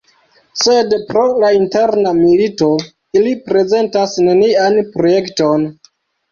Sed pro la interna milito, ili prezentas nenian protekton.